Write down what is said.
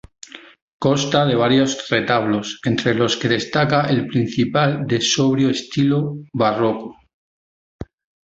Consta de varios retablos, entre los que destaca el principal de sobrio estilo barroco.